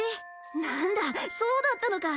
なんだそうだったのか。